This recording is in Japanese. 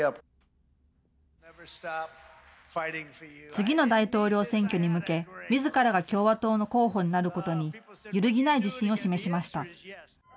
次の大統領選挙に向け、みずからが共和党の候補になることに、揺るぎない自信を示しました。